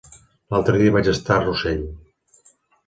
L'altre dia vaig estar a Rossell.